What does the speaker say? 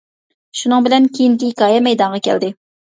شۇنىڭ بىلەن كېيىنكى ھېكايە مەيدانغا كەلدى.